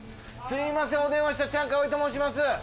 すいませんお電話したチャンカワイと申します。